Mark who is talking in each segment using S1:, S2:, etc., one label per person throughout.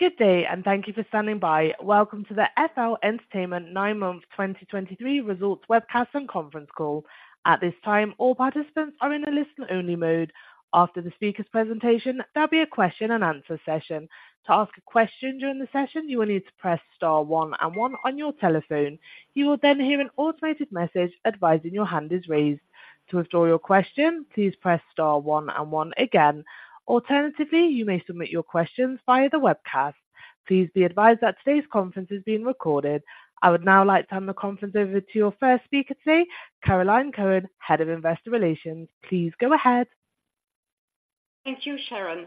S1: Good day, and thank you for standing by. Welcome to the FL Entertainment nine-month 2023 results webcast and conference call. At this time, all participants are in a listen-only mode. After the speaker's presentation, there'll be a question-and-answer session. To ask a question during the session, you will need to press star one and one on your telephone. You will then hear an automated message advising your hand is raised. To withdraw your question, please press star one and one again. Alternatively, you may submit your questions via the webcast. Please be advised that today's conference is being recorded. I would now like to turn the conference over to your first speaker today, Caroline Cohen, Head of Investor Relations. Please go ahead.
S2: Thank you, Sharon.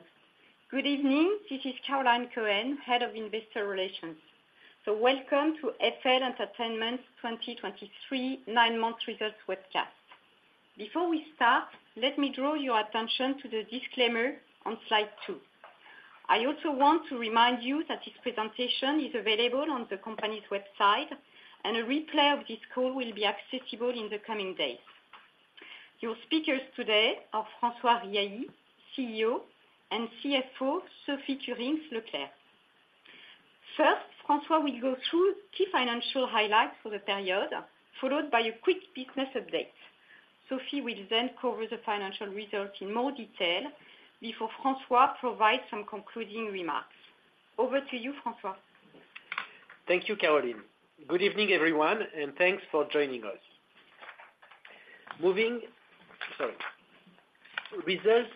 S2: Good evening. This is Caroline Cohen, Head of Investor Relations. So welcome to FL Entertainment's 2023 nine-month results webcast. Before we start, let me draw your attention to the disclaimer on slide two. I also want to remind you that this presentation is available on the company's website, and a replay of this call will be accessible in the coming days. Your speakers today are François Riahi, CEO, and CFO, Sophie Kurinckx-Leclerc. First, François will go through key financial highlights for the period, followed by a quick business update. Sophie will then cover the financial results in more detail before François provides some concluding remarks. Over to you, François.
S3: Thank you, Caroline. Good evening, everyone, and thanks for joining us. Results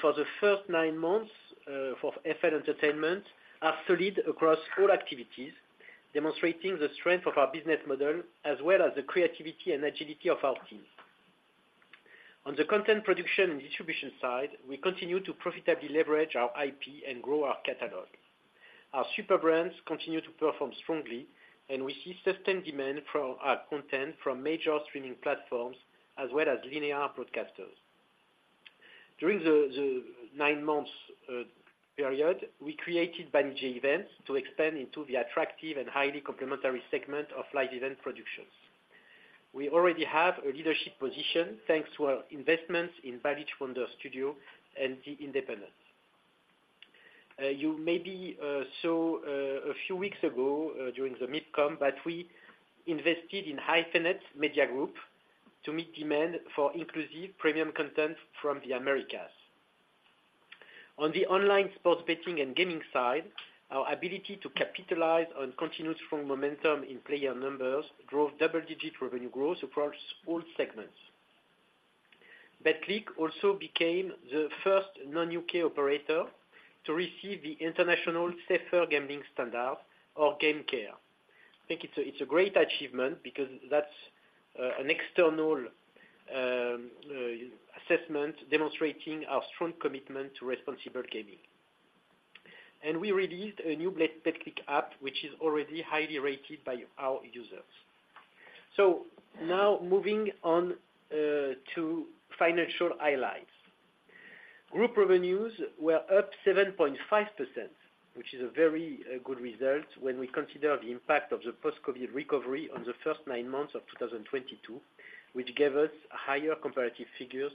S3: for the first nine months for FL Entertainment are solid across all activities, demonstrating the strength of our business model, as well as the creativity and agility of our team. On the content production and distribution side, we continue to profitably leverage our IP and grow our catalog. Our Super Brands continue to perform strongly, and we see sustained demand from our content from major streaming platforms, as well as linear broadcasters. During the nine months period, we created Banijay Events to expand into the attractive and highly complementary segment of live event productions. We already have a leadership position, thanks to our investments in Balich Wonder Studio and The Independents. You maybe saw a few weeks ago during the MIPCOM that we invested in Hyphenate Media Group to meet demand for inclusive premium content from the Americas. On the online sports betting and gaming side, our ability to capitalize on continuous strong momentum in player numbers drove double-digit revenue growth across all segments. Betclic also became the first non-U.K. operator to receive the International Safer Gambling Standard or GamCare. I think it's a, it's a great achievement because that's an external assessment, demonstrating our strong commitment to responsible gaming. And we released a new Betclic app, which is already highly rated by our users. So now moving on to financial highlights. Group revenues were up 7.5%, which is a very good result when we consider the impact of the post-COVID recovery on the first nine months of 2022, which gave us higher comparative figures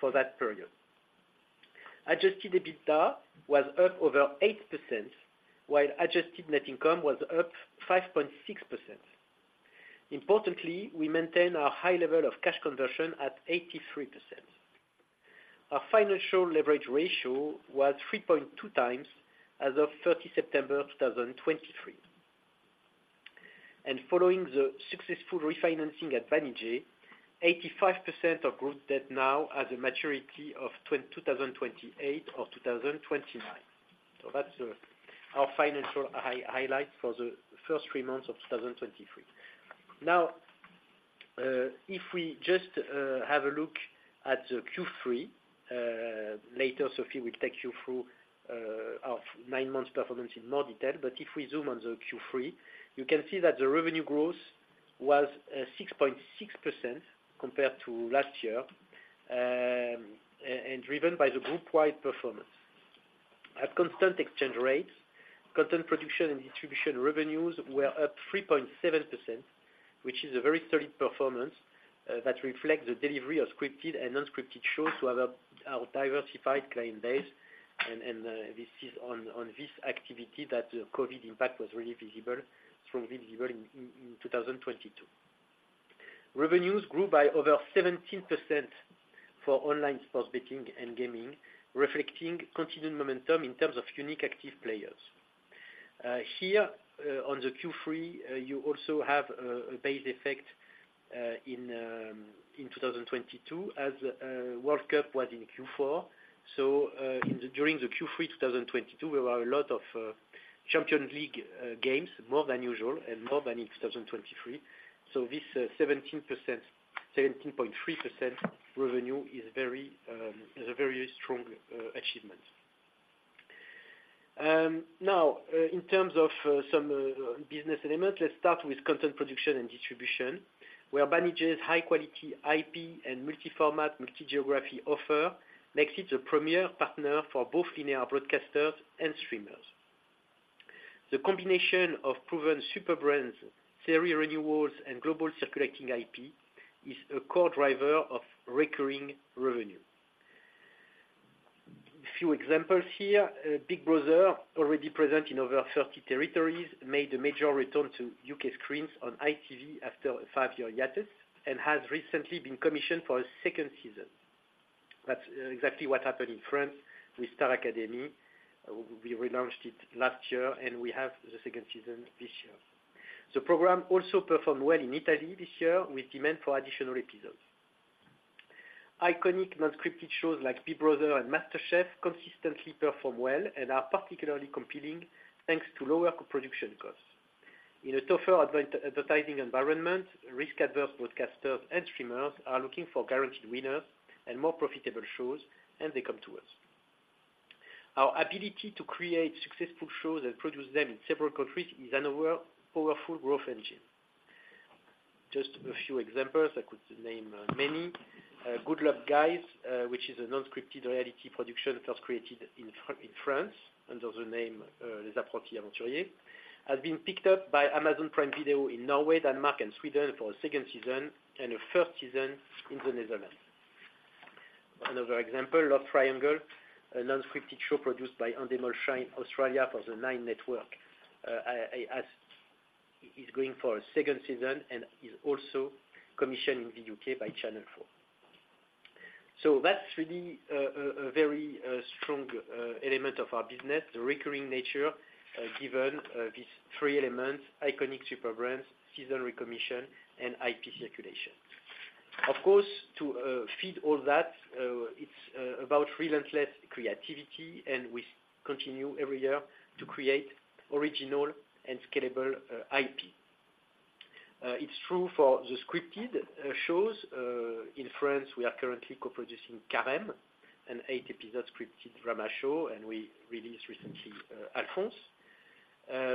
S3: for that period. Adjusted EBITDA was up over 8%, while adjusted net income was up 5.6%. Importantly, we maintained our high level of cash conversion at 83%. Our financial leverage ratio was 3.2x as of 30 September 2023. Following the successful refinancing at Banijay, 85% of group debt now has a maturity of 2028 or 2029. That's our financial highlight for the first three months of 2023. Now, if we just have a look at the Q3, later, Sophie will take you through our nine months performance in more detail. But if we zoom on the Q3, you can see that the revenue growth was 6.6% compared to last year, and driven by the group-wide performance. At constant exchange rates, content production and distribution revenues were up 3.7%, which is a very steady performance that reflects the delivery of scripted and unscripted shows to our diversified client base, and this is on this activity that the COVID impact was really visible, strongly visible in 2022. Revenues grew by over 17% for online sports betting and gaming, reflecting continued momentum in terms of unique active players. Here, on the Q3, you also have a base effect in 2022, as World Cup was in Q4. So, during the Q3 2022, there were a lot of Champions League games, more than usual and more than in 2023. So this 17%, 17.3% revenue is very, is a very strong achievement. Now, in terms of some business elements, let's start with content production and distribution, where Banijay's high quality IP and multi-format, multi-geography offer makes it the premier partner for both linear broadcasters and streamers. The combination of proven super brands, the renewals, and global circulating IP is a core driver of recurring revenue. A few examples here, Big Brother, already present in over 30 territories, made a major return to U.K. screens on ITV after a five-year hiatus, and has recently been commissioned for a second season. That's exactly what happened in France with Star Academy. We relaunched it last year, and we have the second season this year. The program also performed well in Italy this year, with demand for additional episodes. Iconic non-scripted shows like Big Brother and MasterChef consistently perform well and are particularly competing, thanks to lower co-production costs. In a tougher advertising environment, risk-averse broadcasters and streamers are looking for guaranteed winners and more profitable shows, and they come to us. Our ability to create successful shows and produce them in several countries is another powerful growth engine. Just a few examples, I could name many. Good Luck Guys, which is a non-scripted reality production first created in France, under the name Les Improbables Aventuriers, has been picked up by Amazon Prime Video in Norway, Denmark, and Sweden for a second season, and a first season in the Netherlands. Another example, Love Triangle, a non-scripted show produced by Endemol Shine Australia for the Nine Network. It is going for a second season and is also commissioned in the U.K. by Channel 4. So that's really a very strong element of our business, the recurring nature, given these three elements: iconic Super Brands, seasonal commission, and IP circulation. Of course, to feed all that, it's about relentless creativity, and we continue every year to create original and scalable IP. It's true for the scripted shows. In France, we are currently co-producing Carême, an eight-episode scripted drama show, and we released recently Alphonse.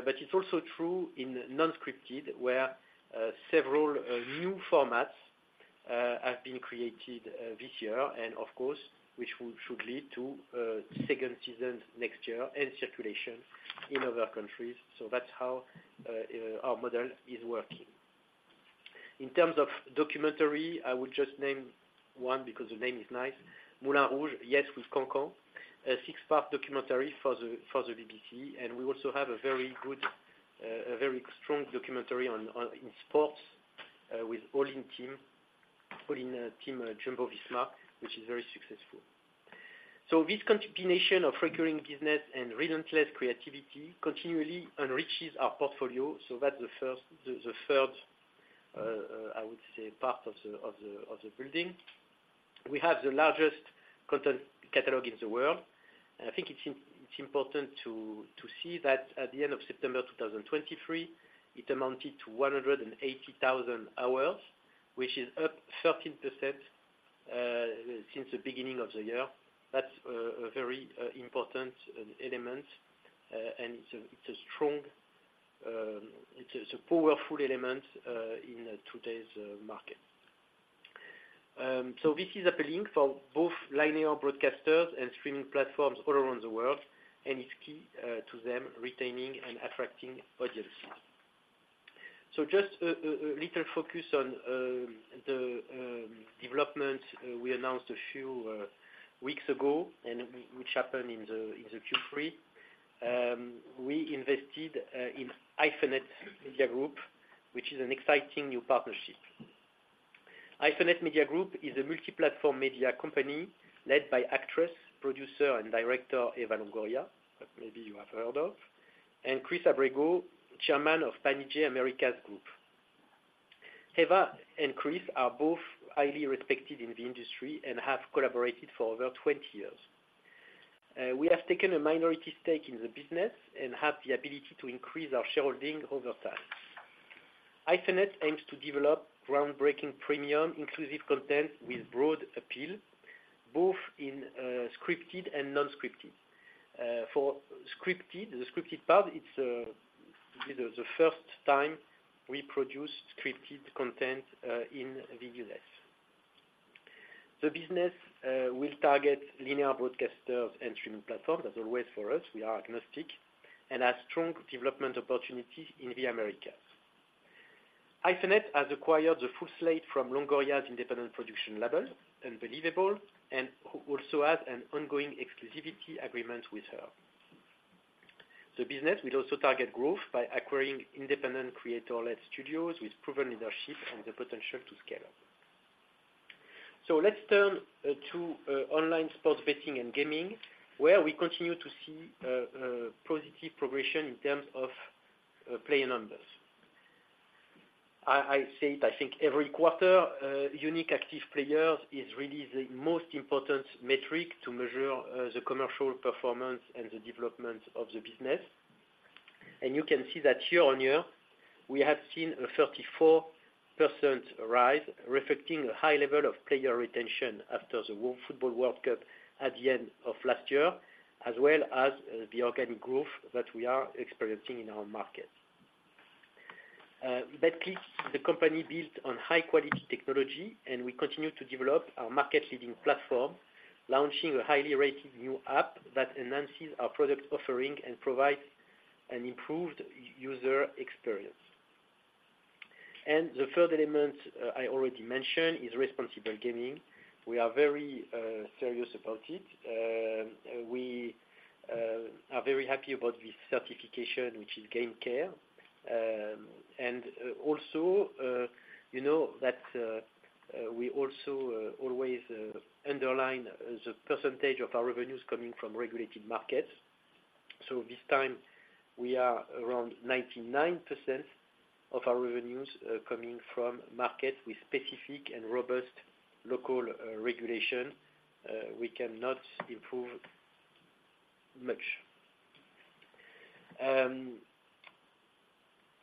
S3: But it's also true in non-scripted, where several new formats have been created this year, and of course, which should lead to second seasons next year and circulation in other countries. So that's how our model is working. In terms of documentary, I would just name one because the name is nice. Moulin Rouge: Yes We Can Can, a six-part documentary for the BBC, and we also have a very good, a very strong documentary on in sports with All-In: Team Jumbo-Visma, which is very successful. So this continuation of recurring business and relentless creativity continually enriches our portfolio. So that's the first, the third, I would say, part of the building. We have the largest content catalog in the world. And I think it's important to see that at the end of September 2023, it amounted to 180,000 hours, which is up 13% since the beginning of the year. That's a very important element, and it's a strong. It's a powerful element in today's market. So this is appealing for both linear broadcasters and streaming platforms all around the world, and it's key to them retaining and attracting audiences. So just a little focus on the development we announced a few weeks ago, and which happened in the Q3. We invested in Hyphenate Media Group, which is an exciting new partnership. Hyphenate Media Group is a multi-platform media company led by actress, producer, and director Eva Longoria, that maybe you have heard of, and Chris Abrego, Chairman of Banijay Americas Group. Eva and Chris are both highly respected in the industry and have collaborated for over 20 years. We have taken a minority stake in the business and have the ability to increase our shareholding over time. Hyphenate aims to develop groundbreaking, premium, inclusive content with broad appeal, both in scripted and non-scripted. For scripted, the scripted part, it's the first time we produce scripted content in the U.S. The business will target linear broadcasters and streaming platforms, as always, for us, we are agnostic, and have strong development opportunities in the Americas. Banijay has acquired the full slate from Longoria's independent production label, UnbeliEVAble, and who also has an ongoing exclusivity agreement with her. The business will also target growth by acquiring independent creator-led studios with proven leadership and the potential to scale up. Let's turn to online sports betting and gaming, where we continue to see positive progression in terms of player numbers. I say it, I think every quarter, unique active players is really the most important metric to measure the commercial performance and the development of the business. And you can see that year-on-year, we have seen a 34% rise, reflecting a high level of player retention after the FIFA World Cup at the end of last year, as well as the organic growth that we are experiencing in our market. Betclic, the company built on high-quality technology, and we continue to develop our market-leading platform, launching a highly rated new app that enhances our product offering and provides an improved user experience. And the third element I already mentioned is responsible gaming. We are very serious about it. We are very happy about this certification, which is GamCare. And you know that we also always underline the percentage of our revenues coming from regulated markets. So this time we are around 99% of our revenues coming from markets with specific and robust local regulation. We cannot improve much.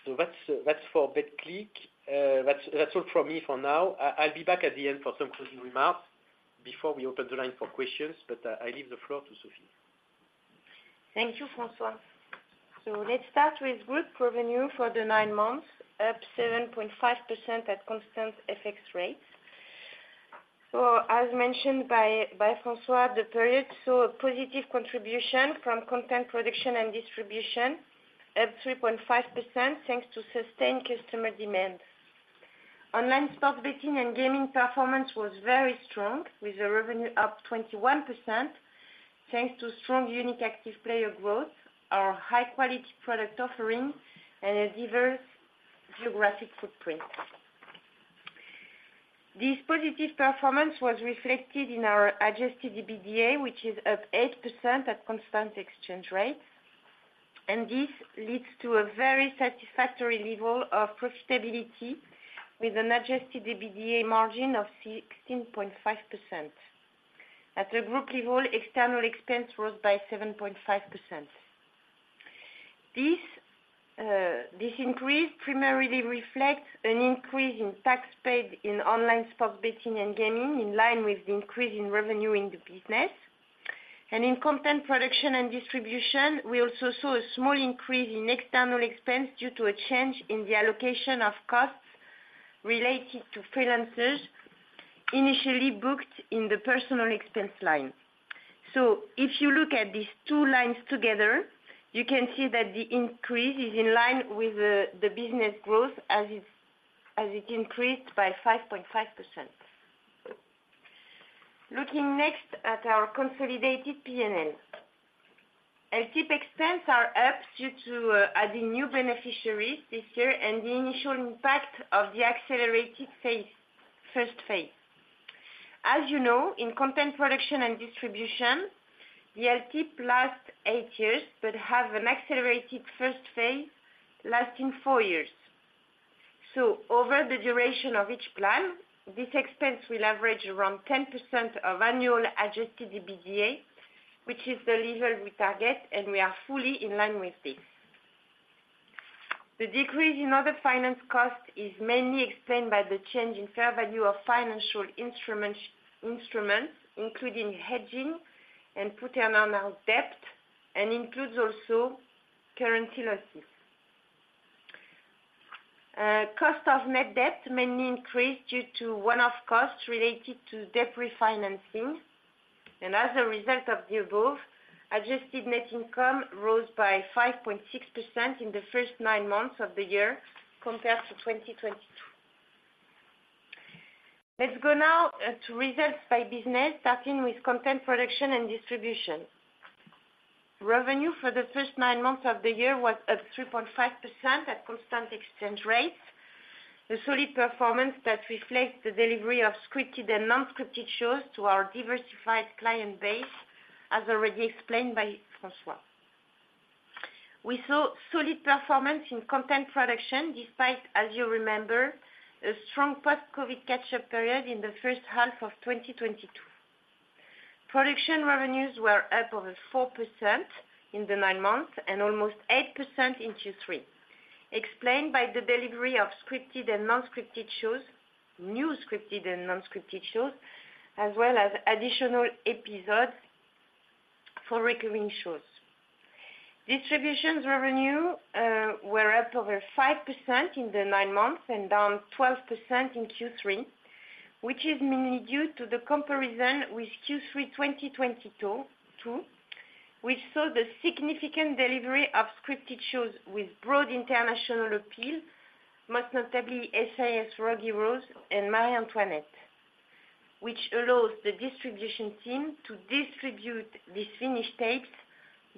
S3: So that's for Betclic. That's all from me for now. I'll be back at the end for some closing remarks before we open the line for questions, but I leave the floor to Sophie.
S4: Thank you, François. So let's start with group revenue for the nine months, up 7.5% at constant FX rates. So as mentioned by François, the period saw a positive contribution from content production and distribution at 3.5%, thanks to sustained customer demand. Online sports betting and gaming performance was very strong, with the revenue up 21%, thanks to strong Unique Active Player growth, our high quality product offering, and a diverse geographic footprint. This positive performance was reflected in our Adjusted EBITDA, which is up 8% at constant exchange rates, and this leads to a very satisfactory level of profitability with an Adjusted EBITDA margin of 16.5%. At a group level, external expense rose by 7.5%. This increase primarily reflects an increase in tax paid in online sports betting and gaming, in line with the increase in revenue in the business. In content production and distribution, we also saw a small increase in external expense due to a change in the allocation of costs related to freelancers initially booked in the personal expense line. So if you look at these two lines together, you can see that the increase is in line with the business growth as it increased by 5.5%. Looking next at our consolidated P&L. LTIP expense are up due to adding new beneficiaries this year and the initial impact of the accelerated phase, first phase. As you know, in content production and distribution, the LTIP lasts eight years, but have an accelerated first phase lasting four years. Over the duration of each plan, this expense will average around 10% of annual Adjusted EBITDA, which is the level we target, and we are fully in line with this. The decrease in other finance costs is mainly explained by the change in fair value of financial instruments, including hedging and put on our debt, and includes also currency losses. Cost of net debt mainly increased due to one-off costs related to debt refinancing. And as a result of the above, adjusted net income rose by 5.6% in the first nine months of the year compared to 2022. Let's go now to results by business, starting with content production and distribution. Revenue for the first nine months of the year was up 3.5% at constant exchange rates, a solid performance that reflects the delivery of scripted and non-scripted shows to our diversified client base, as already explained by François. We saw solid performance in content production despite, as you remember, a strong post-COVID catch-up period in the first half of 2022. Production revenues were up over 4% in the nine months and almost 8% in Q3, explained by the delivery of scripted and non-scripted shows, new scripted and non-scripted shows, as well as additional episodes for recurring shows. Distributions revenue were up over 5% in the nine months and down 12% in Q3, which is mainly due to the comparison with Q3 2022, which saw the significant delivery of scripted shows with broad international appeal, most notably SAS Rogue Heroes and Marie Antoinette, which allows the distribution team to distribute these finished tapes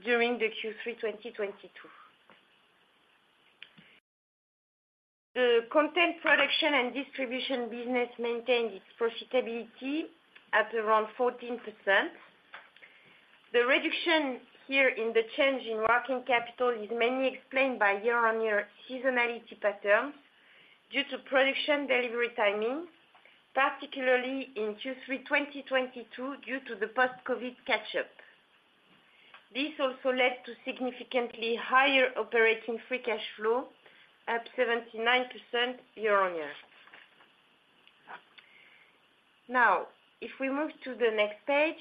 S4: during the Q3 2022. The content production and distribution business maintained its profitability at around 14%. The reduction here in the change in working capital is mainly explained by year-on-year seasonality patterns due to production delivery timing, particularly in Q3 2022, due to the post-COVID catch-up. This also led to significantly higher operating free cash flow, up 79% year-on-year. Now, if we move to the next page,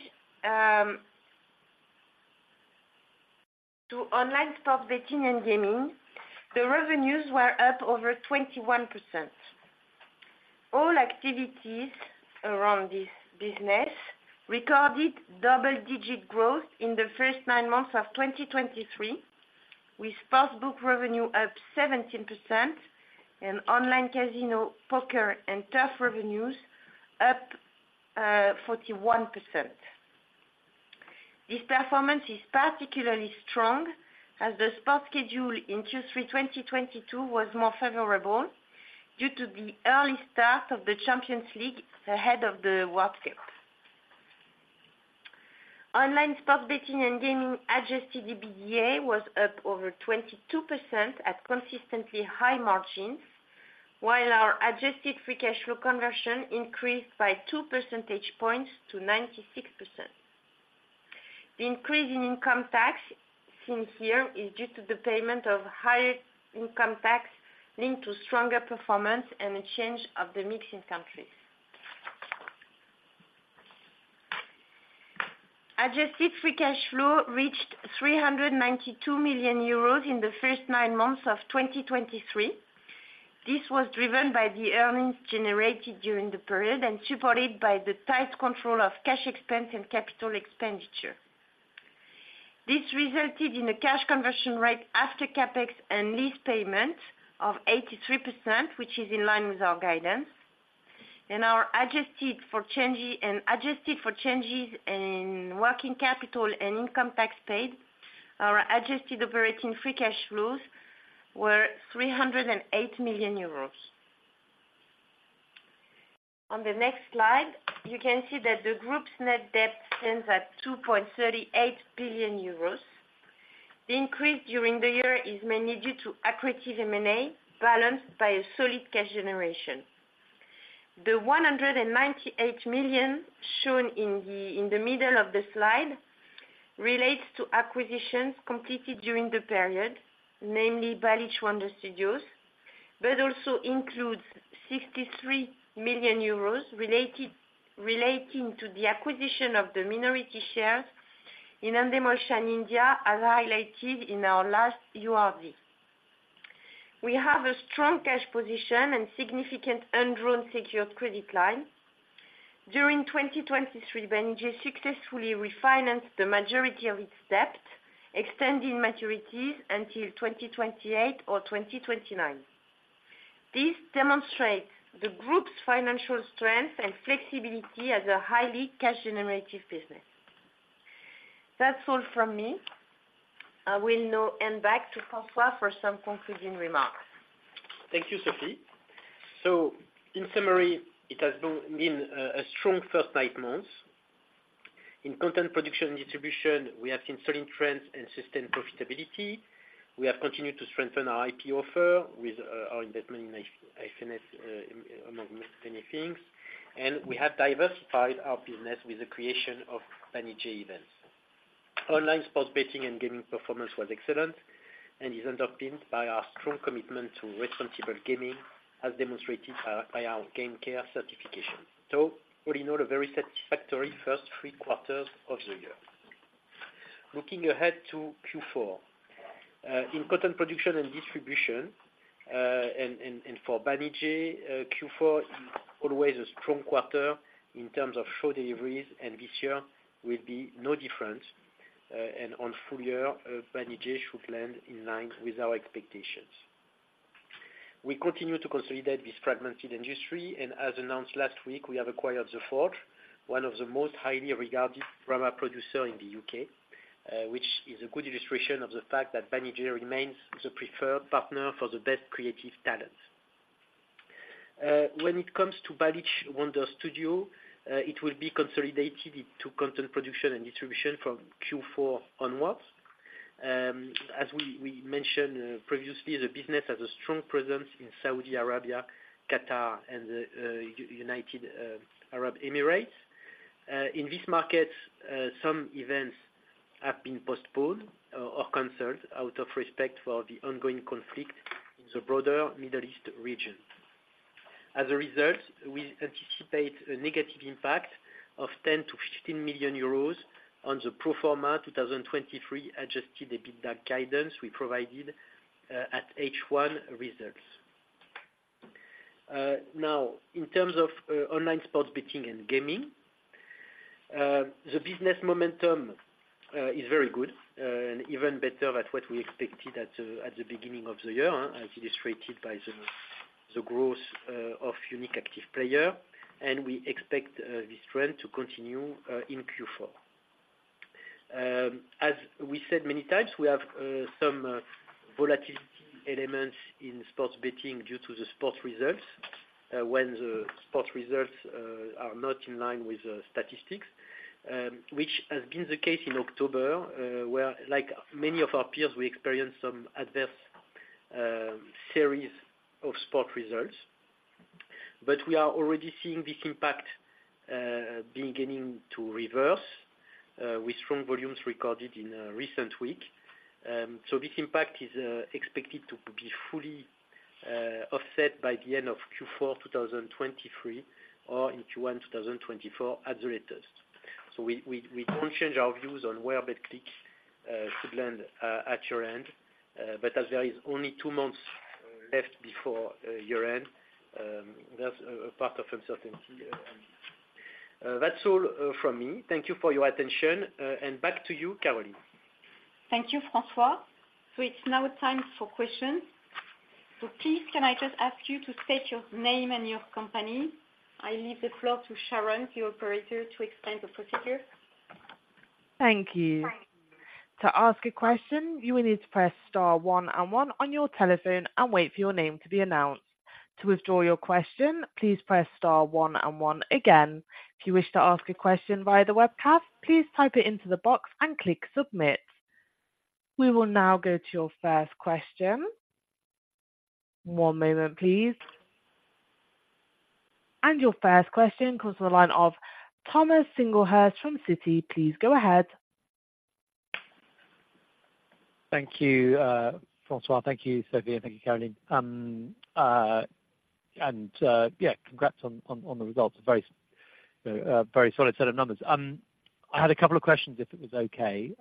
S4: to online sports betting and gaming, the revenues were up over 21%. All activities around this business recorded double-digit growth in the first nine months of 2023, with sports book revenue up 17% and online casino, poker, and turf revenues up forty-one percent. This performance is particularly strong as the sports schedule in Q3 2022 was more favorable due to the early start of the Champions League ahead of the World Cup. Online sports betting and gaming Adjusted EBITDA was up over 22% at consistently high margins, while our adjusted free cash flow conversion increased by 2 percentage points to 96%. The increase in income tax seen here is due to the payment of higher income tax linked to stronger performance and a change of the mix in countries. Adjusted free cash flow reached 392 million euros in the first nine months of 2023. This was driven by the earnings generated during the period and supported by the tight control of cash expense and capital expenditure. This resulted in a cash conversion rate after CapEx and lease payment of 83%, which is in line with our guidance. Our adjusted for change, and adjusted for changes in working capital and income tax paid, our adjusted operating free cash flows were 308 million euros. On the next slide, you can see that the group's net debt stands at 2.38 billion euros. The increase during the year is mainly due to accretive M&A, balanced by a solid cash generation. The 198 million shown in the middle of the slide relates to acquisitions completed during the period, mainly Balich Wonder Studio, but also includes 63 million euros relating to the acquisition of the minority shares in Endemol Shine India, as highlighted in our last URD. We have a strong cash position and significant undrawn secured credit line. During 2023, Banijay successfully refinanced the majority of its debt, extending maturities until 2028 or 2029. This demonstrates the group's financial strength and flexibility as a highly cash generative business. That's all from me. I will now hand back to François for some concluding remarks.
S3: Thank you, Sophie. In summary, it has been a strong first nine months. In content production and distribution, we have seen solid trends and sustained profitability. We have continued to strengthen our IP offer with our investment in The Independents, among many things, and we have diversified our business with the creation of Banijay Events. Online sports betting and gaming performance was excellent and is underpinned by our strong commitment to responsible gaming, as demonstrated by our GamCare certification. So all in all, a very satisfactory first three quarters of the year. Looking ahead to Q4, in content production and distribution, and for Banijay, Q4 is always a strong quarter in terms of show deliveries, and this year will be no different. On full year, Banijay should land in line with our expectations. We continue to consolidate this fragmented industry, and as announced last week, we have acquired The Forge, one of the most highly regarded drama producer in the U.K., which is a good illustration of the fact that Banijay remains the preferred partner for the best creative talent. When it comes to Balich Wonder Studio, it will be consolidated into content production and distribution from Q4 onwards. As we mentioned previously, the business has a strong presence in Saudi Arabia, Qatar, and the United Arab Emirates. In this market, some events have been postponed or canceled out of respect for the ongoing conflict in the broader Middle East region. As a result, we anticipate a negative impact of 10 million-15 million euros on the pro forma 2023 Adjusted EBITDA guidance we provided at H1 results. Now in terms of online sports betting and gaming, the business momentum is very good, and even better at what we expected at the beginning of the year, as illustrated by the growth of unique active player, and we expect this trend to continue in Q4. As we said many times, we have some volatility elements in sports betting due to the sports results, when the sports results are not in line with the statistics, which has been the case in October, where, like many of our peers, we experienced some adverse series of sport results. But we are already seeing this impact beginning to reverse with strong volumes recorded in recent week. So this impact is expected to be fully offset by the end of Q4 2023, or in Q1 2024 at the latest. So we don't change our views on where Betclic should land at year-end. But as there is only two months left before year-end, there's a part of uncertainty. That's all from me. Thank you for your attention, and back to you, Caroline.
S2: Thank you, François. So it's now time for questions. So please, can I just ask you to state your name and your company? I leave the floor to Sharon, the operator, to explain the procedure.
S1: Thank you. To ask a question, you will need to press star one and one on your telephone and wait for your name to be announced. To withdraw your question, please press star one and one again. If you wish to ask a question via the web cast, please type it into the box and click submit. We will now go to your first question. One moment, please. And your first question comes from the line of Thomas Singlehurst from Citi. Please go ahead.
S5: Thank you, François. Thank you, Sophie. Thank you, Caroline. And yeah, congrats on the results. A very, very solid set of numbers. I had a couple of questions, if it was okay.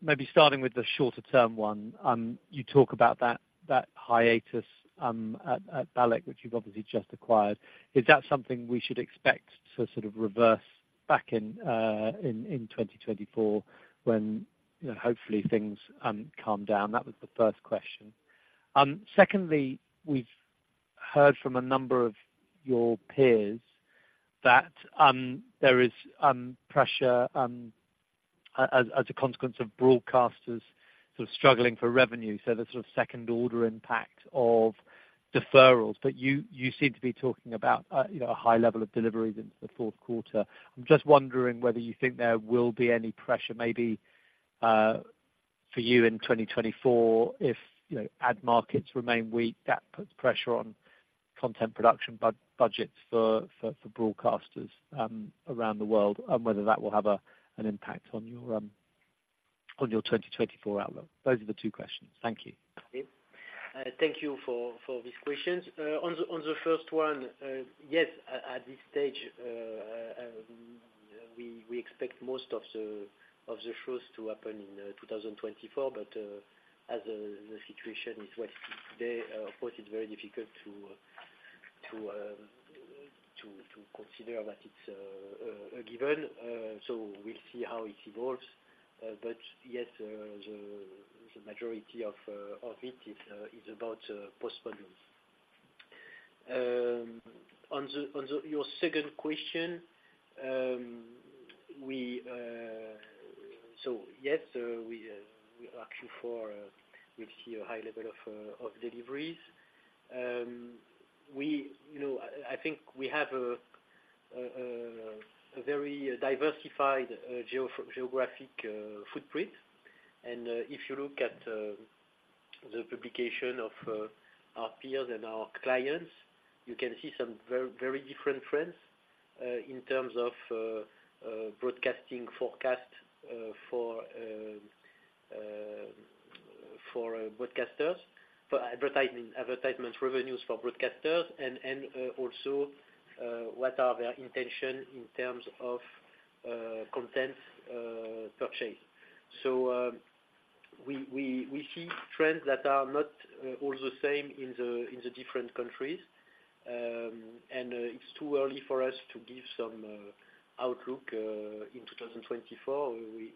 S5: Maybe starting with the shorter term one. You talk about that hiatus at Balich, which you've obviously just acquired. Is that something we should expect to sort of reverse back in 2024, when, you know, hopefully things calm down? That was the first question. Secondly, we've heard from a number of your peers that there is pressure as a consequence of broadcasters sort of struggling for revenue, so the sort of second order impact of deferrals. But you seem to be talking about, you know, a high level of deliveries into the fourth quarter. I'm just wondering whether you think there will be any pressure, maybe, for you in 2024, if, you know, ad markets remain weak, that puts pressure on content production budgets for broadcasters around the world, and whether that will have a an impact on your 2024 outlook? Those are the two questions. Thank you.
S3: Thank you for these questions. On the first one, yes, at this stage, we expect most of the shows to happen in 2024, but as the situation is what it is today, of course it's very difficult to consider that it's a given. So we'll see how it evolves. But yes, the majority of it is about postponements. On the... Your second question... So yes, we are actually for we see a high level of deliveries. We, you know, I think we have a very diversified geographic footprint. If you look at the publication of our peers and our clients, you can see some very, very different trends in terms of broadcasting forecast for broadcasters, for advertising, advertisement revenues for broadcasters and also what are their intention in terms of content purchase. So, we see trends that are not all the same in the different countries. It's too early for us to give some outlook in 2024. We,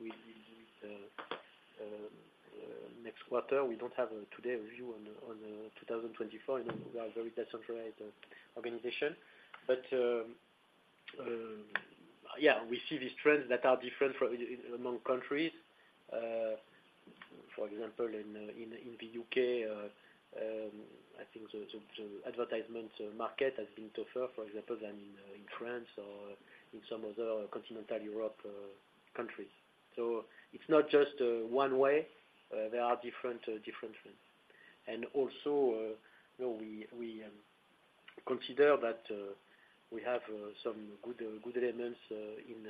S3: next quarter, we don't have today a view on 2024. You know, we are a very decentralized organization. But yeah, we see these trends that are different from among countries. For example, in the U.K., I think the advertisement market has been tougher, for example, than in France or in some other continental Europe countries. So it's not just one way, there are different things. And also, you know, we consider that we have some good elements in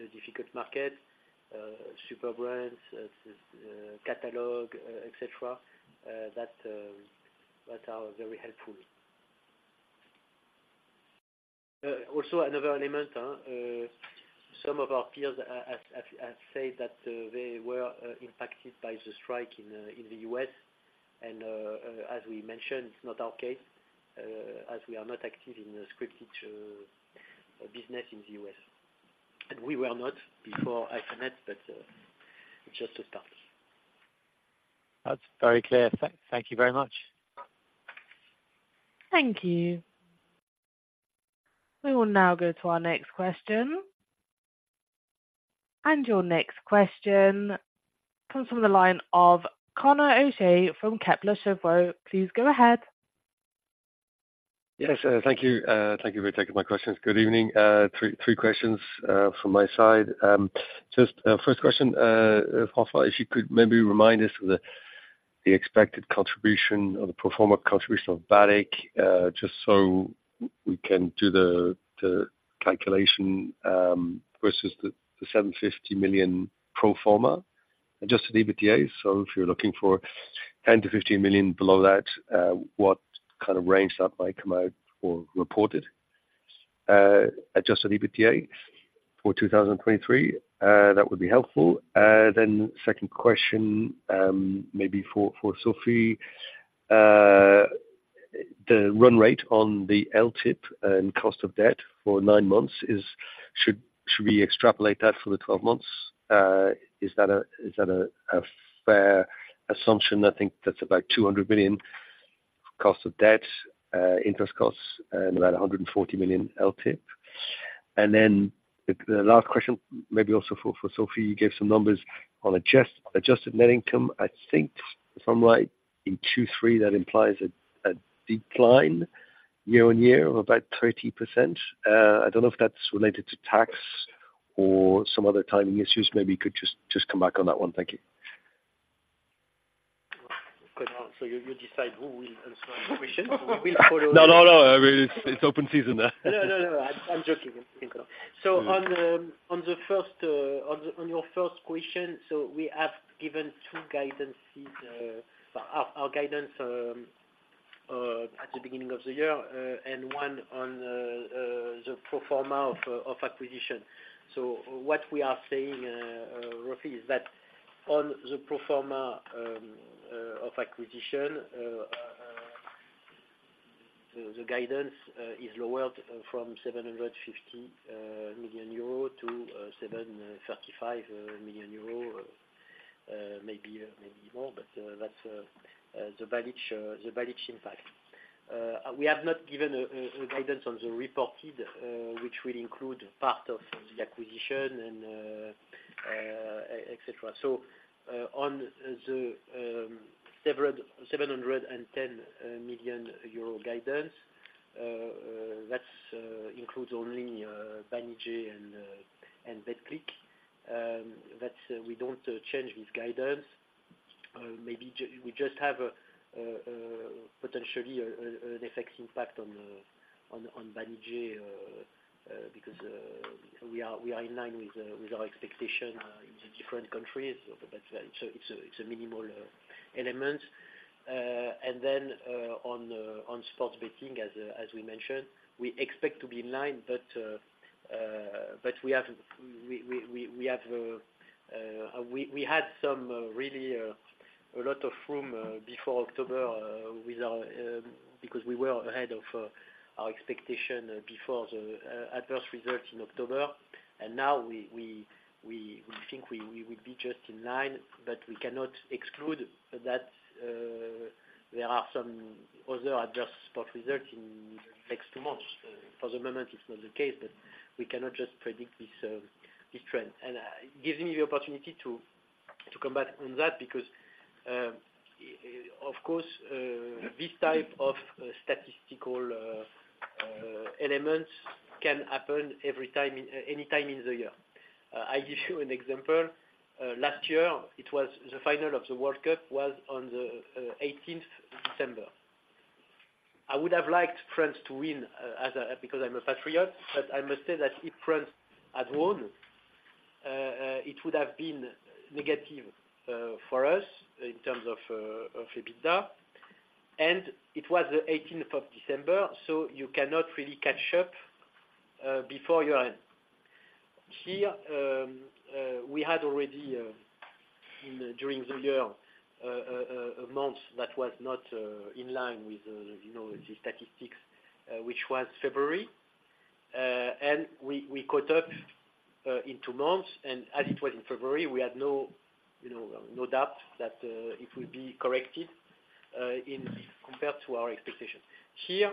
S3: a difficult market, Super Brands, strong catalog, et cetera, that are very helpful. Also another element, some of our peers have said that they were impacted by the strike in the U.S., and, as we mentioned, it's not our case, as we are not active in the scripted business in the U.S. We were not before Hyphenate, but, just to start.
S5: That's very clear. Thank you very much.
S1: Thank you. We will now go to our next question. Your next question comes from the line of Conor O'Shea from Kepler Cheuvreux. Please go ahead.
S6: Yes, thank you. Thank you for taking my questions. Good evening. Three questions from my side. Just first question, François, if you could maybe remind us of the expected contribution or the pro forma contribution of Balich, just so we can do the calculation versus the 750 million pro forma Adjusted EBITDA, so if you're looking for 10 million-15 million below that, what kind of range that might come out or reported Adjusted EBITDA for 2023? That would be helpful. Then second question, maybe for Sophie. The run rate on the LTIP and cost of debt for nine months is, should we extrapolate that for the 12 months? Is that a fair assumption? I think that's about 200 million cost of debt interest costs and about 140 million LTIP. Then the last question, maybe also for Sophie, you gave some numbers on adjusted net income. I think if I'm right, in 2023, that implies a decline year-over-year of about 30%. I don't know if that's related to tax or some other timing issues. Maybe you could just come back on that one. Thank you.
S3: So you decide who will answer the question? We will follow-
S6: No, no, no. I mean, it's, it's open season.
S3: No, no, no. I'm joking. So on the first, on your first question, so we have given two guidances, our guidance at the beginning of the year, and one on the pro forma of acquisition. So what we are saying, Riahi, is that on the pro forma of acquisition, the guidance is lowered from 750 million euro to 735 million euro, maybe more. But that's the Banijay impact. We have not given a guidance on the reported, which will include part of the acquisition and et cetera. So, on the 710 million euro guidance, that's includes only Banijay and Betclic. That's, we don't change this guidance. Maybe we just have a potentially an effect impact on Banijay, because we are in line with our expectation in the different countries. But that's a, it's a, it's a minimal element. And then, on sports betting, as we mentioned, we expect to be in line, but we have we had some really a lot of room before October with our because we were ahead of our expectation before the adverse results in October. Now we think we will be just in line, but we cannot exclude that there are some other adverse sport results in next two months. For the moment, it's not the case, but we cannot just predict this trend. And it gives me the opportunity to come back on that, because of course this type of statistical elements can happen every time anytime in the year. I give you an example. Last year, it was the final of the World Cup on the eighteenth of December. I would have liked France to win as a because I'm a patriot, but I must say that if France had won it would have been negative for us in terms of EBITDA. It was the 18th of December, so you cannot really catch up before year-end. Here, we had already, during the year, a month that was not in line with, you know, the statistics, which was February. And we caught up in two months, and as it was in February, we had no, you know, no doubt that it will be corrected in compared to our expectations. Here,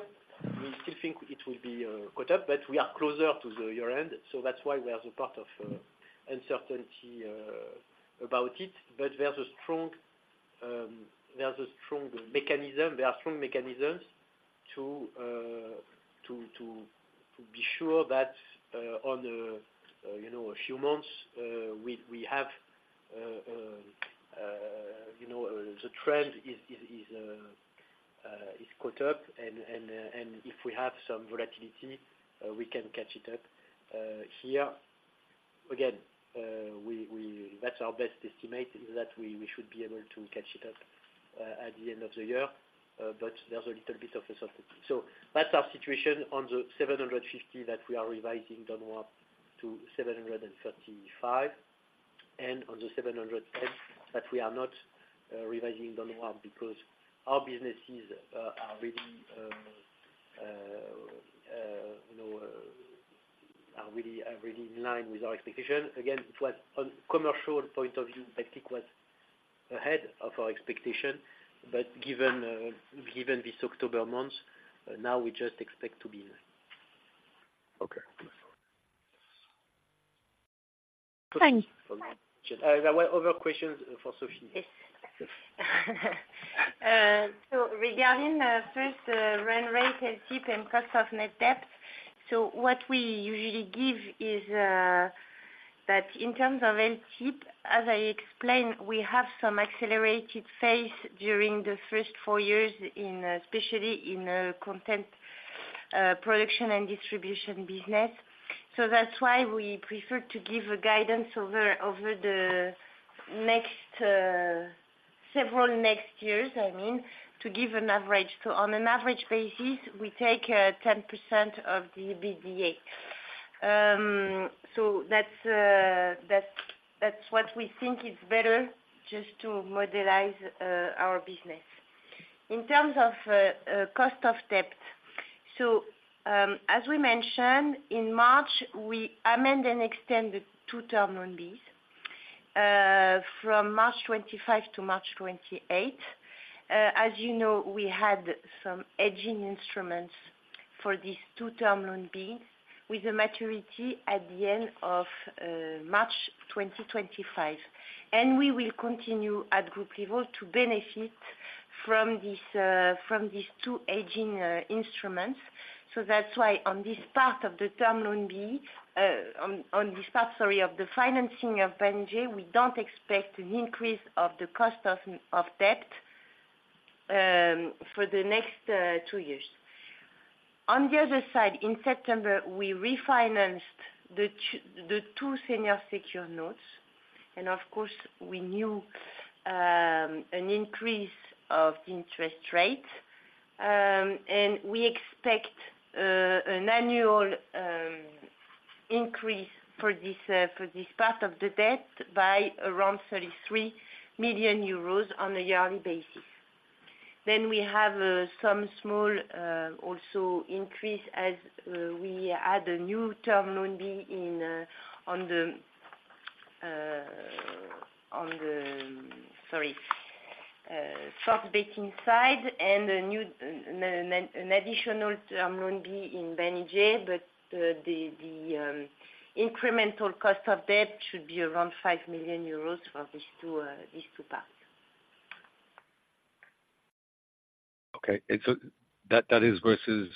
S3: we still think it will be caught up, but we are closer to the year-end, so that's why we have a part of uncertainty about it. But there's a strong mechanism. There are strong mechanisms to be sure that, you know, on a few months, we have, you know, the trend is caught up, and if we have some volatility, we can catch it up. Here, again, that's our best estimate, is that we should be able to catch it up at the end of the year, but there's a little bit of uncertainty. So that's our situation on the 750 that we are revising down to what? To 735. On the 710 that we are not revising down because our businesses are really, you know, really in line with our expectations. Again, it was on commercial point of view, I think was ahead of our expectation, but given this October month, now we just expect to be there.
S6: Okay.
S1: Thanks.
S3: There were other questions for Sophie?
S4: Yes. So regarding the run rate and EBITDA and cost of net debt, so what we usually give is that in terms of LTIP, as I explained, we have some accelerated phase during the first four years in especially in content production and distribution business. So that's why we prefer to give a guidance over the next several years, I mean, to give an average. So on an average basis, we take 10% of the EBITDA. So that's that's what we think is better just to model our business. In terms of cost of debt, so as we mentioned, in March, we amend and extend the two Term Loan B from March 2025 to March 2028. As you know, we had some hedging instruments for these two Term Loan B, with a maturity at the end of March 2025. We will continue at group level to benefit from this, from these two hedging instruments. So that's why on this part of the Term Loan B, on this part, sorry, of the financing of Banijay, we don't expect an increase of the cost of debt for the next two years. On the other side, in September, we refinanced the two Senior Secured Notes, and of course, we knew an increase of the interest rate. And we expect an annual increase for this part of the debt by around 33 million euros on a yearly basis. Then we have some small also increase as we add a new Term Loan B on the sports betting side and a new additional Term Loan B in Banijay, but the incremental cost of debt should be around 5 million euros for these two parts.
S6: Okay. And so that is versus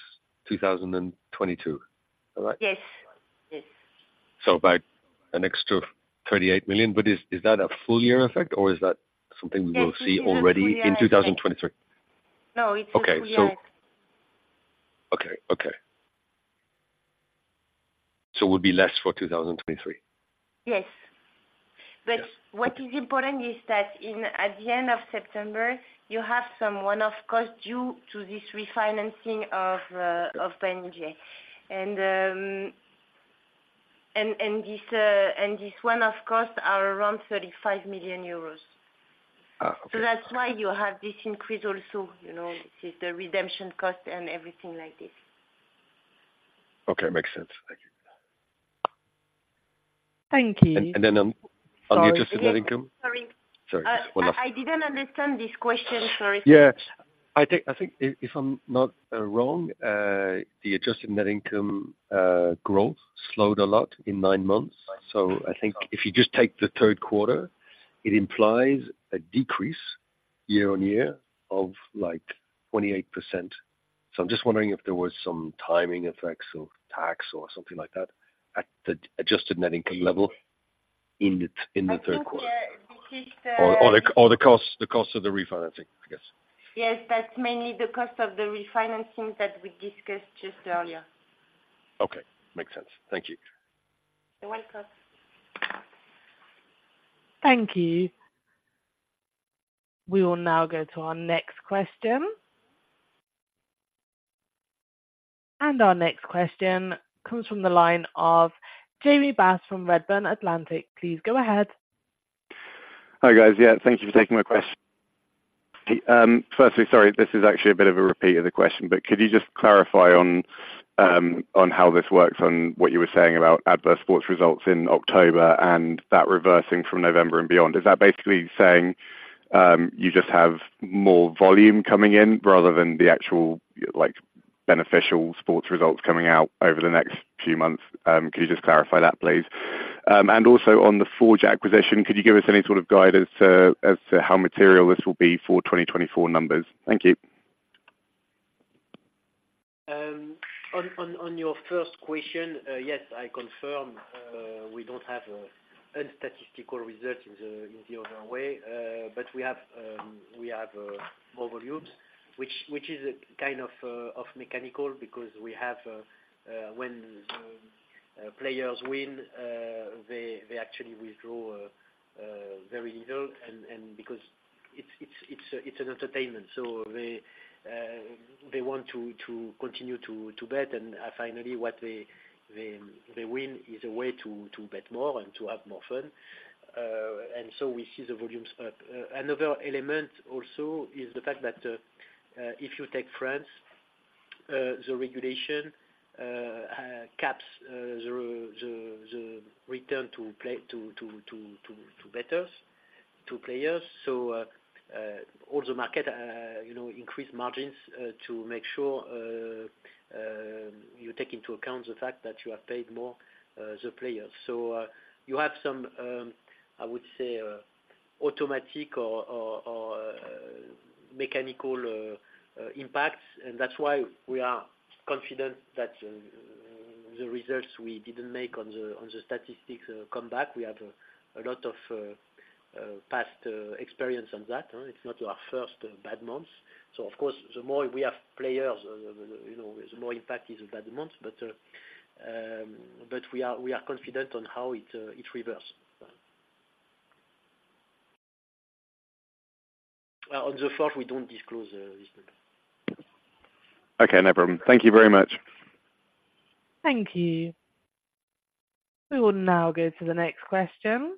S6: 2022, is that right?
S4: Yes. Yes.
S6: About an extra 38 million, but is that a full year effect, or is that something we will see-
S4: Yes
S6: -already in 2023?
S4: No, it's a full year.
S6: Okay. Okay. So will be less for 2023?
S4: Yes. But what is important is that at the end of September, you have some one-off cost due to this refinancing of Banijay. And this one-off costs are around 35 million euros.
S6: Uh, okay.
S4: That's why you have this increase also, you know. This is the redemption cost and everything like this.
S6: Okay, makes sense. Thank you.
S1: Thank you.
S6: And then,
S1: Sorry.
S6: On the Adjusted Net Income?
S4: Sorry.
S6: Sorry, one last-
S4: I didn't understand this question. Sorry.
S6: Yeah. I think, I think if, if I'm not wrong, the Adjusted Net Income growth slowed a lot in nine months. So I think if you just take the third quarter, it implies a decrease year-on-year of, like, 28%. So I'm just wondering if there was some timing effects or tax or something like that, at the Adjusted Net Income level, in the third quarter?
S4: I think, yeah, this is the-
S6: Or the cost of the refinancing, I guess.
S4: Yes, that's mainly the cost of the refinancing that we discussed just earlier.
S6: Okay. Makes sense. Thank you.
S4: You're welcome.
S1: Thank you. We will now go to our next question. Our next question comes from the line of Jamie Bass, from Redburn Atlantic. Please go ahead.
S7: Hi, guys. Yeah, thank you for taking my question. Firstly, sorry, this is actually a bit of a repeat of the question, but could you just clarify on how this works on what you were saying about adverse sports results in October and that reversing from November and beyond? Is that basically saying you just have more volume coming in, rather than the actual, like, beneficial sports results coming out over the next few months? Could you just clarify that, please? And also on The Forge acquisition, could you give us any sort of guide as to how material this will be for 2024 numbers? Thank you.
S3: On your first question, yes, I confirm, we don't have unstatistical result in the other way, but we have more volumes, which is a kind of mechanical, because when players win, they actually withdraw very little and because it's an entertainment, so they want to continue to bet, and finally what they win is a way to bet more and to have more fun. And so we see the volumes up. Another element also is the fact that if you take France, the regulation caps the return to player to bettors to players. So, all the market, you know, increase margins, to make sure you take into account the fact that you have paid more, the players. So, you have some, I would say, automatic or mechanical impacts, and that's why we are confident that the results we didn't make on the, on the statistics come back. We have a lot of past experience on that, it's not our first bad month. So of course, the more we have players, you know, the more impact is a bad month. But, but we are confident on how it reverse. On the fourth, we don't disclose this number.
S7: Okay, no problem. Thank you very much.
S1: Thank you. We will now go to the next question.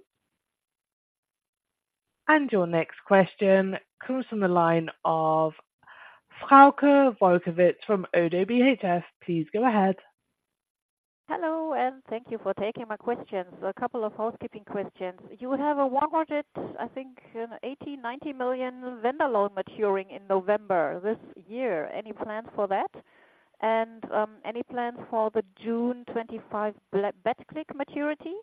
S1: Your next question comes from the line of Frauke Boekhoff from ODDO BHF. Please go ahead.
S8: Hello, and thank you for taking my questions. A couple of housekeeping questions. You have a warranted, I think, an 80 million-90 million vendor loan maturing in November this year. Any plans for that? And, any plans for the June 2025 Betclic maturity?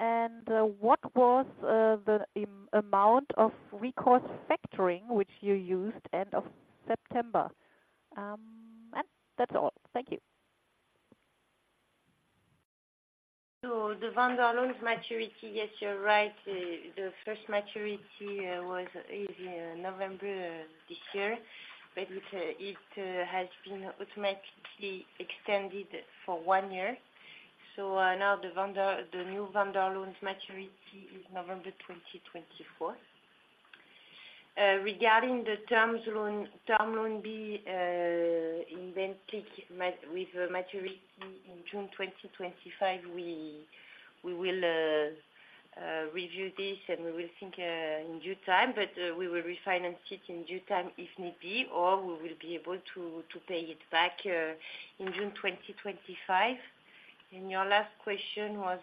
S8: And, what was, the amount of recourse factoring, which you used end of September? And that's all. Thank you.
S4: So the vendor loans maturity, yes, you're right. The first maturity was in November this year, but it has been automatically extended for one year. So now the vendor, the new vendor loans maturity is November 2024. Regarding the term loan, Term Loan B in Betclic with maturity in June 2025, we will review this, and we will think in due time, but we will refinance it in due time, if need be, or we will be able to pay it back in June 2025. And your last question was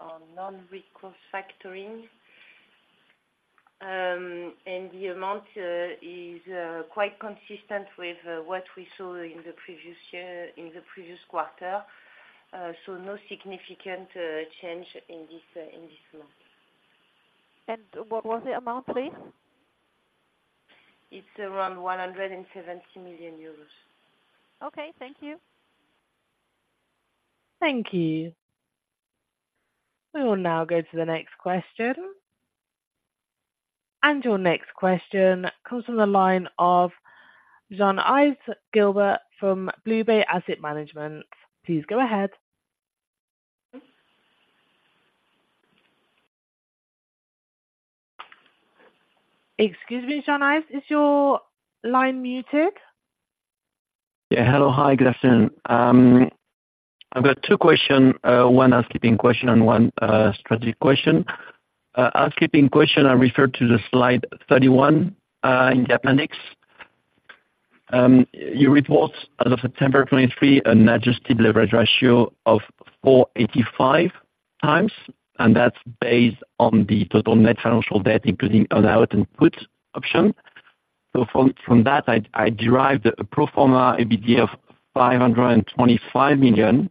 S4: on non-recourse factoring. And the amount is quite consistent with what we saw in the previous year, in the previous quarter. So no significant change in this month.
S8: What was the amount, please?
S4: It's around 170 million euros.
S8: Okay, thank you.
S1: Thank you. We will now go to the next question. Your next question comes from the line of Jean-Yves Guibert from BlueBay Asset Management. Please go ahead.
S2: Excuse me, Jean-Yves, is your line muted?
S9: Yeah. Hello. Hi, good afternoon. I've got two questions, one housekeeping question and one strategic question. Housekeeping question, I refer to the slide 31 in the appendix. You report as of September 2023, an adjusted leverage ratio of 4.85x, and that's based on the total net financial debt, including allowed put option. So from that, I derived a pro forma EBITDA of 525 million,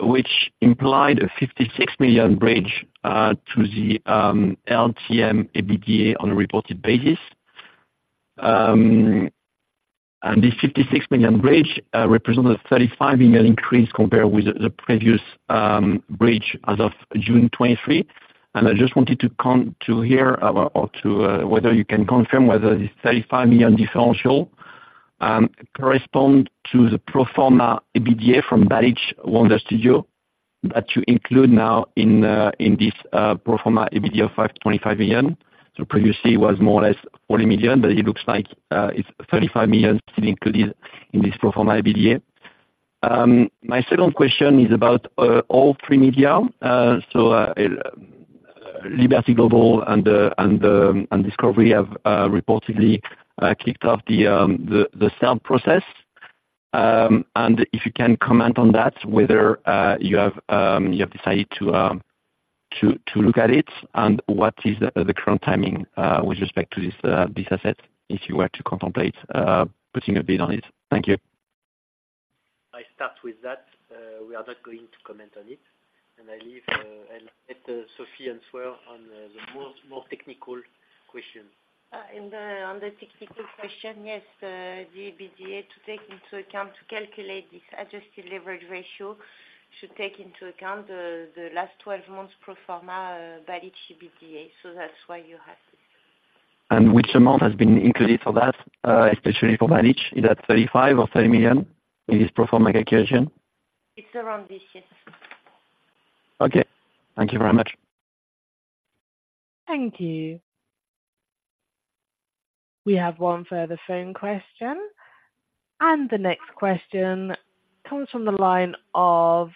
S9: which implied a 56 million bridge to the LTM EBITDA on a reported basis. And this 56 million bridge represented a 35 million increase compared with the previous bridge as of June 2023. I just wanted to come to hear about whether you can confirm whether this 35 million differential correspond to the pro forma EBITDA from Balich Wonder Studio, that you include now in this pro forma EBITDA 525 million. Previously it was more or less 40 million, but it looks like it's 35 million included in this pro forma EBITDA. My second question is about All3Media. Liberty Global and Discovery have reportedly kicked off the sale process. If you can comment on that, whether you have decided to look at it, and what is the current timing with respect to this asset, if you were to contemplate putting a bid on it? Thank you.
S3: I start with that. We are not going to comment on it, and I leave, and let Sophie answer on the more technical question.
S4: On the technical question, yes, the EBITDA to take into account to calculate this adjusted leverage ratio should take into account the last 12 months pro forma by EBITDA, so that's why you have this.
S9: Which amount has been included for that, especially for Balich? Is that 35 million or 30 million in this pro forma calculation?
S4: It's around this, yes.
S9: Okay. Thank you very much.
S1: Thank you. We have one further phone question, and the next question comes from the line of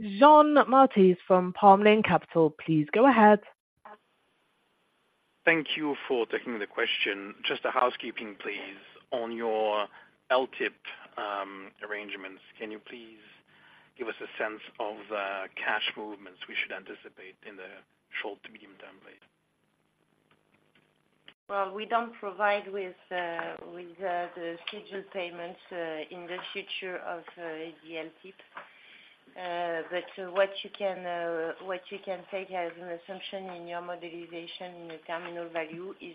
S1: Jean Maltais from Palm Lane Capital. Please go ahead.
S10: Thank you for taking the question. Just a housekeeping, please, on your LTIP arrangements, can you please give us a sense of cash movements we should anticipate in the short to medium term, please?
S4: Well, we don't provide with the scheduled payments in the future of the LTIP. But what you can take as an assumption in your modeling in the terminal value is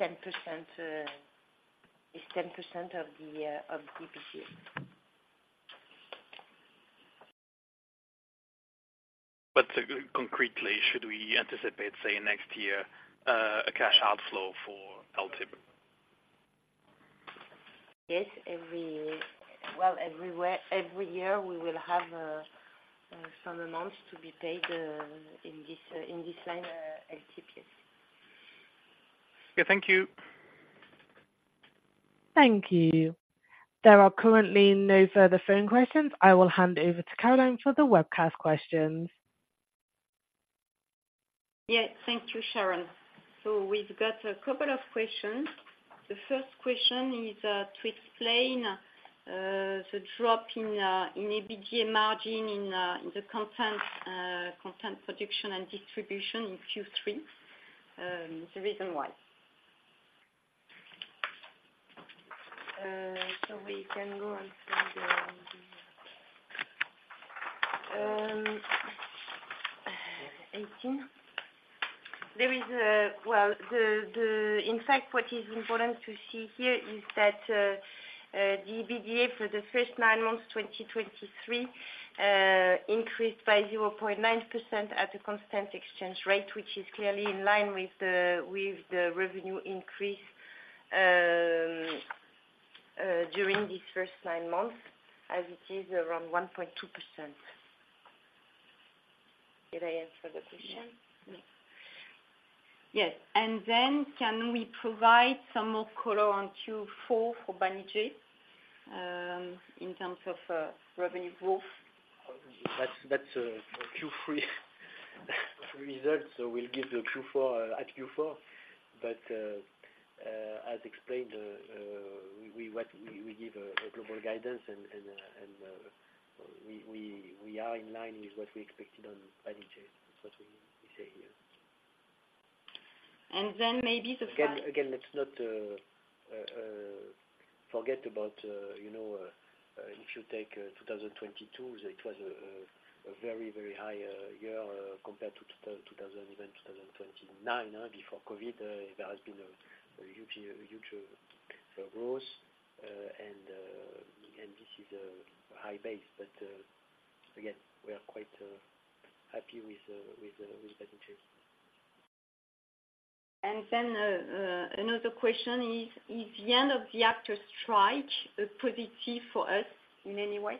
S4: 10% of the EBITDA.
S10: Concretely, should we anticipate, say, next year, a cash outflow for LTIP?
S4: Yes, well, every year we will have some amounts to be paid in this line, LTIPs.
S10: Yeah, thank you.
S1: Thank you. There are currently no further phone questions. I will hand over to Caroline for the webcast questions.
S2: Yeah. Thank you, Sharon. So we've got a couple of questions. The first question is to explain the drop in EBITDA margin in the content production and distribution in Q3. The reason why?
S4: So we can go on the 18. There is a... Well, in fact, what is important to see here is that the EBITDA for the first nine months, 2023, increased by 0.9% at a constant exchange rate, which is clearly in line with the revenue increase during these first nine months, as it is around 1.2%. Did I answer the question?
S2: Yes. Yes. And then can we provide some more color on Q4 for Banijay, in terms of revenue growth?
S3: That's Q3 results. So we'll give the Q4 at Q4. But as explained, we give a global guidance and we are in line with what we expected on Banijay. That's what we say here.
S2: And then maybe the five-
S3: Again, again, let's not forget about, you know, if you take 2022, it was a very, very high year compared to 2000, even 2029, before COVID. There has been a huge, huge growth, and this is a high base. But, again, we are quite happy with Banijay.
S2: And then, another question is, is the end of the actors' strike a positive for us in any way?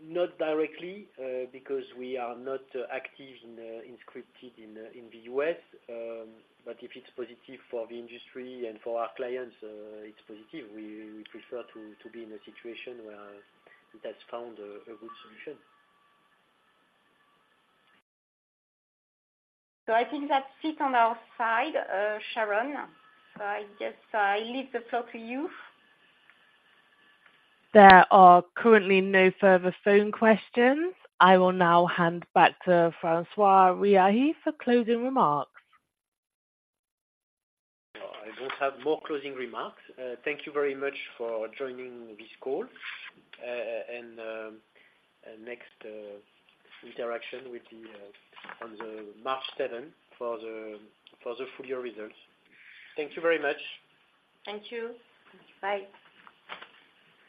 S3: Not directly, because we are not active in scripted in the U.S. But if it's positive for the industry and for our clients, it's positive. We prefer to be in a situation where it has found a good solution.
S2: I think that's it on our side, Sharon. I guess I leave the floor to you.
S1: There are currently no further phone questions. I will now hand back to François Riahi for closing remarks.
S3: I don't have more closing remarks. Thank you very much for joining this call. Next interaction will be on March 7 for the full year results. Thank you very much.
S2: Thank you.
S4: Bye.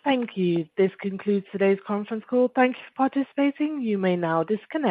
S1: Thank you. This concludes today's conference call. Thank you for participating. You may now disconnect.